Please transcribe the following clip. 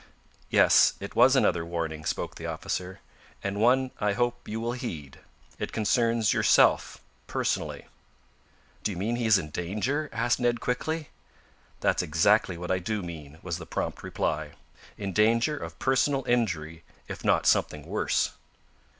"Yes, it was another warning," spoke the officer, "and one I hope you will heed. It concerns yourself, personally." "Do you mean he is in danger?" asked Ned quickly. "That's exactly what I do mean," was the prompt reply. "In danger of personal injury, if not something worse."